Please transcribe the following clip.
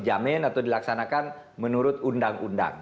dijamin atau dilaksanakan menurut undang undang